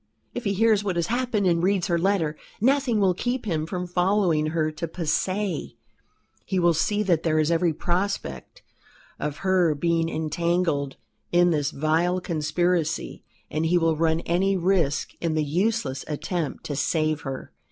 If he hears what has happened and reads her letter, nothing will keep him from following her to Passy. He will see that there is every prospect of her being entangled in this vile conspiracy, and he will run any risk in the useless attempt to save her.